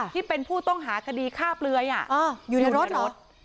ที่เป็นผู้ต้องหาคดีฆ่าเปลือยอยู่ในรถเหรอ